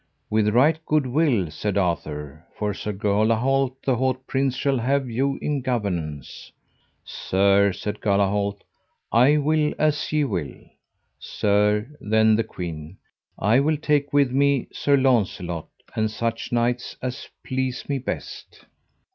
With right good will, said Arthur; for Sir Galahalt, the haut prince, shall have you in governance. Sir, said Galahalt, I will as ye will. Sir, then the queen, I will take with me [Sir Launcelot] and such knights as please me best.